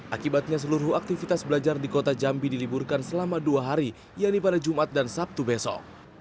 akibatnya seluruh aktivitas belajar di kota jambi diliburkan selama dua hari yaitu pada jumat dan sabtu besok